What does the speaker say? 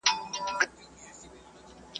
o د پادوان پر خپله غوا نظر وي.